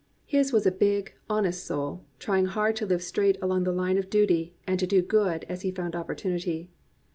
He was a big, honest soul, trying hard to live straight along the line of duty and to do good as he found opportunity.